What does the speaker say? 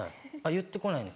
言って来ないの？